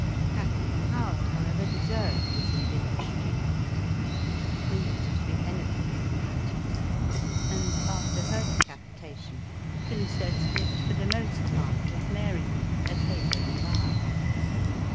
Katherine Howard, however, deserved this invidious treatment; she proved to be anything but virtuous ; and, after her decapitation, the princess lived for the most part with Mary, at Havering Bower.